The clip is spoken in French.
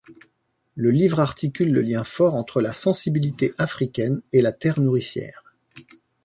Le livre articule le lien fort entre la sensibilité africaine et la terre nourricière.